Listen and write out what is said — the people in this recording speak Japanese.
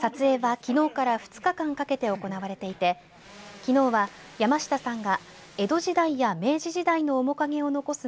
撮影は、きのうから２日間かけて行われていてきのうは山下さんが江戸時代や明治時代の面影を残す